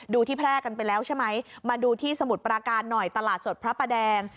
ที่แพร่กันไปแล้วใช่ไหมมาดูที่สมุทรปราการหน่อยตลาดสดพระประแดง